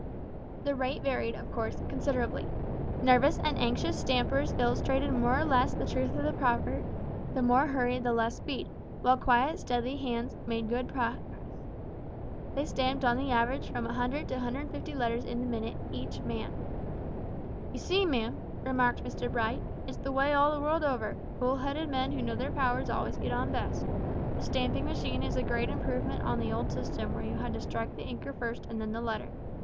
The rate varied, of course, considerably. Nervous and anxious stampers illustrated more or less the truth of the proverb, "The more hurry the less speed," while quiet, steady hands made good progress. They stamped on the average from 100 to 150 letters in the minute, each man. "You see, ma'am," remarked Mr Bright, "it's the way all the world over: cool headed men who know their powers always get on best. The stamping machine is a great improvement on the old system, where you had to strike the inker first, and then the letter.